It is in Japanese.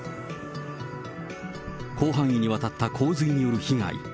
広範囲にわたった洪水による被害。